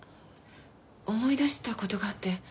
思い出した事があって。